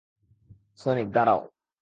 Sonic, দাঁড়াও!